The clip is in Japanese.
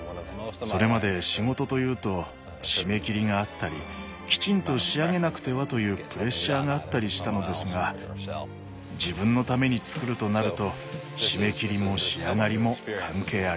それまで仕事というと締め切りがあったりきちんと仕上げなくてはというプレッシャーがあったりしたのですが自分のためにつくるとなると締め切りも仕上がりも関係ありません。